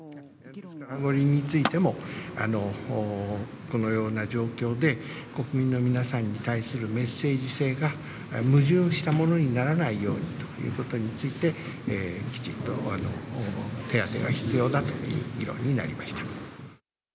五輪についても、このような状況で、国民の皆さんに対するメッセージ性が矛盾したものにならないようにということについて、きちっと手当てが必要だという議論になりました。